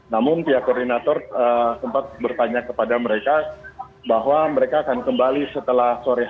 namun pihak koordinator sempat bertanya kepada mereka bahwa mereka akan kembali setelah sore hari